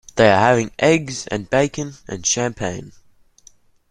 They are having eggs and bacon and champagne.